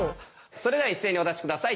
それでは一斉にお出し下さい。